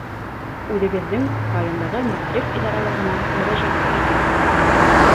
Үҙегеҙҙең райондағы мәғариф идаралығына мөрәжәғәт итегеҙ.